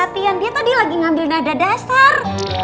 tadi lagi ngambil nada dasar